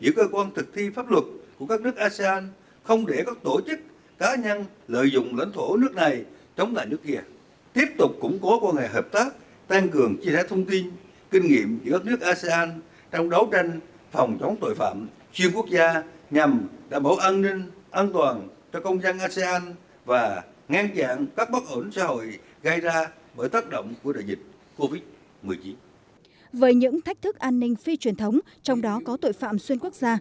với những thách thức an ninh phi truyền thống trong đó có tội phạm xuyên quốc gia